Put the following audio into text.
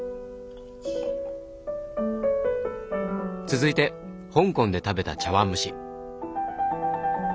続いて香港で食べた茶碗蒸し。